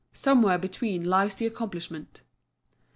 Somewhere between lies the accomplishment.